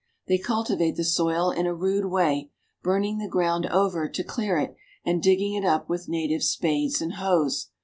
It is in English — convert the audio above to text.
They cultivate the soil in a rude way, burning the ground over to clear it, and dig ging it up with native spades and hoes.